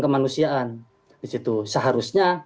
kemanusiaan di situ seharusnya